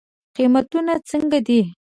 قیمتونه څنګه دی؟